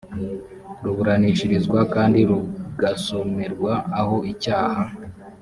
ruburanishirizwa kandi rugasomerwa aho icyaha